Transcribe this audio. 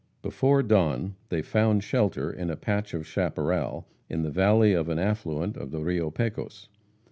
Before dawn they found shelter in a patch of chaparral in the valley of an affluent of the Rio Pecos.